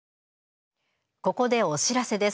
ここでお知らせです。